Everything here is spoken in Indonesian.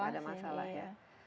gak ada masalah ya